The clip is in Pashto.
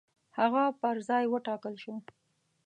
هغه پر ځای وټاکل شو.